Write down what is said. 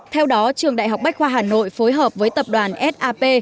theo đó trường đại học bách khoa hà nội phối hợp với tập đoàn sap